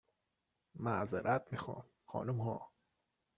معظرت می خوام خانوم ها